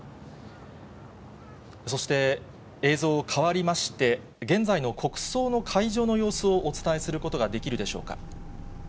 そして、映像変わりまして、現在の国葬の会場の様子をお伝えすることができるでしょうか。